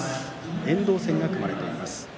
遠藤戦が組まれています。